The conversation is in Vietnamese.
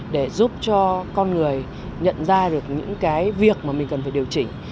để giúp cho con người nhận ra được những cái việc mà mình cần phải điều chỉnh